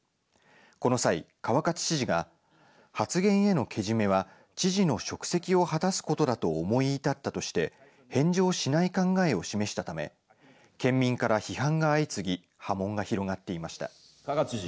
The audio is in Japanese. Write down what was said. この際、川勝知事が発言へのけじめは知事の職責を果たすことだと思い至ったとして返上しない考えを示したため県民から批判が相次ぎ波紋が広がっていました。